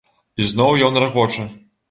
І зноў ён рагоча.